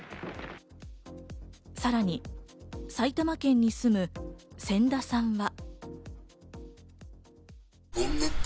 さらに埼玉県に住む仙田さんは。